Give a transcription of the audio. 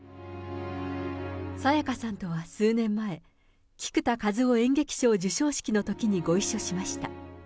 沙也加さんとは数年前、菊田一夫演劇賞授賞式のときにご一緒しました。